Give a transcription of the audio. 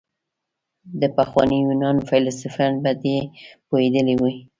د پخواني يونان فيلسوفان په دې پوهېدلي وو.